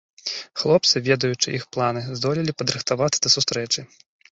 Хлопцы, ведаючы іх планы, здолелі падрыхтавацца да сустрэчы.